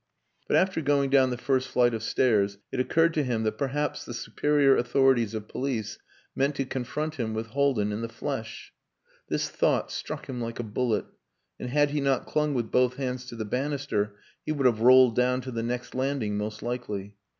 But after going down the first flight of stairs it occurred to him that perhaps the superior authorities of police meant to confront him with Haldin in the flesh. This thought struck him like a bullet, and had he not clung with both hands to the banister he would have rolled down to the next landing most likely.